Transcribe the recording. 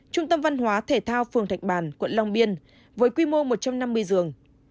trung tâm văn hóa thể thao phường thạch bàn quận long biên với quy mô một trăm năm mươi giường